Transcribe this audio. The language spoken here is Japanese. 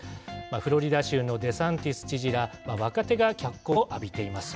フロリダ州のデサンティス知事ら、若手が脚光も浴びています。